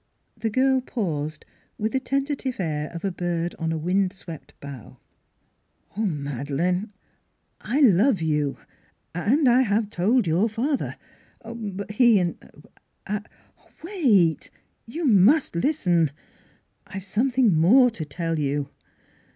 The girl paused, with the tentative air of a bird on a windswept bough. " Oh, Madeleine, I love you and I have told your father. But he but I Wait ! you must listen. I have something more to tell you."